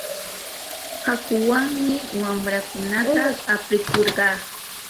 hakuwanmi wamraakunata aprikurqaa.